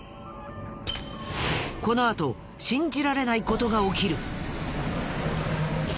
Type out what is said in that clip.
このあと信じられない事が起きる。